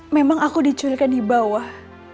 memang aku diculikan di bawah